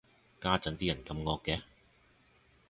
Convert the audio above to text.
家陣啲人咁惡嘅